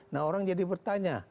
nah orang jadi bertanya